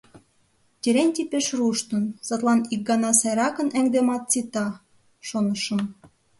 «Терентей пеш руштын, садлан ик гана сайракын эҥдемат, сита», — шонышым.